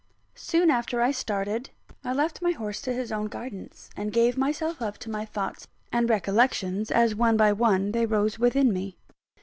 Soon after I started, I left my horse to his own guidance, and gave myself up to my thoughts and recollections, as one by one they rose within me.